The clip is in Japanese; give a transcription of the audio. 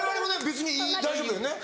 別に大丈夫よね。